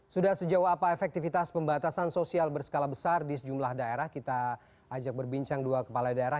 sudah sejauh apa efektivitas pembatasan sosial berskala besar di sejumlah daerah kita ajak berbincang dua kepala daerah